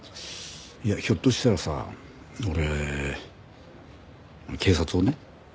いやひょっとしたらさ俺警察をねなんつうか。